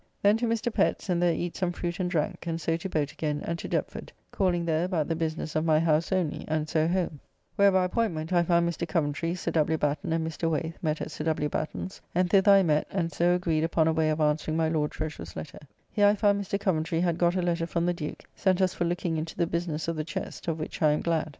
Then to Mr. Pett's, and there eat some fruit and drank, and so to boat again, and to Deptford, calling there about the business of my house only, and so home, where by appointment I found Mr. Coventry, Sir W. Batten, and Mr. Waith met at Sir W. Batten's, and thither I met, and so agreed upon a way of answering my Lord Treasurer's letter. Here I found Mr. Coventry had got a letter from the Duke, sent us for looking into the business of the Chest, of which I am glad.